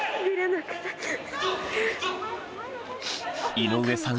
井上さん